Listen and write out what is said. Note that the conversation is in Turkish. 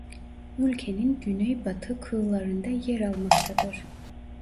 Ülkenin güneybatı kıyılarında yer almaktadır.